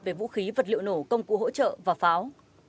về vũ khí vật liệu nổ công cụ hỗ trợ và pháo